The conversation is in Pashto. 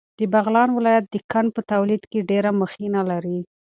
د بغلان ولایت د قند په تولید کې ډېره مخینه لري.